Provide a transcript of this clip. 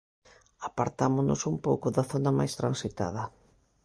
Apartámonos un pouco da zona máis transitada.